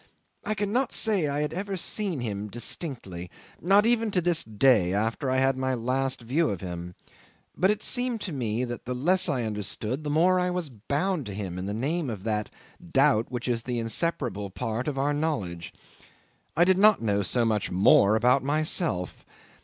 I cannot say I had ever seen him distinctly not even to this day, after I had my last view of him; but it seemed to me that the less I understood the more I was bound to him in the name of that doubt which is the inseparable part of our knowledge. I did not know so much more about myself.